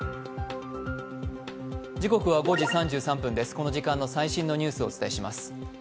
この時間の最新のニュースをお伝えします。